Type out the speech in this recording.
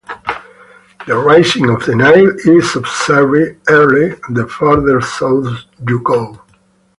The rising of the Nile is observed earlier the further south you go.